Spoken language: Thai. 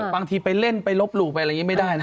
ไปเล่นไปลบหลู่ไปอะไรอย่างนี้ไม่ได้นะ